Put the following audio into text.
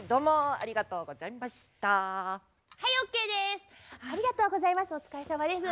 ありがとうございます。